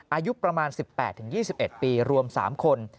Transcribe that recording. อายุประมาณ๑๘๒๑ปีรวม๓คน